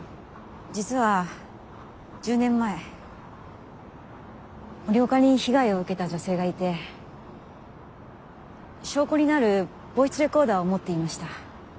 実は１０年前森岡に被害を受けた女性がいて証拠になるボイスレコーダーを持っていました。